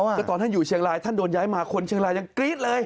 ก็ตอนท่านอยู่เชียงรายท่านโดนย้ายมาคนเชียงรายยังกรี๊ดเลย